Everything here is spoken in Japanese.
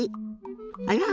あら？